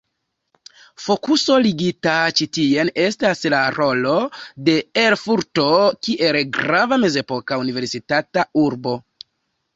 Fokuso ligita ĉi tien estas la rolo de Erfurto kiel grava mezepoka universitata urbo.